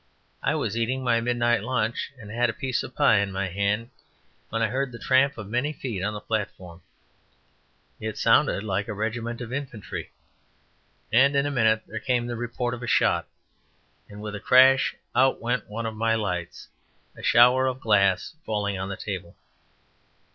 I was eating my midnight lunch, and had a piece of pie in my hand, when I heard the tramp of many feet on the platform. It sounded like a regiment of infantry, and in a minute there came the report of a shot, and with a crash out went one of my lights, a shower of glass falling on the table.